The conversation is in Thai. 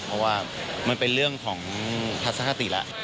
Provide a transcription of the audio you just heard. เพราะว่ามันเป็นเรื่องของทัศนคติแล้ว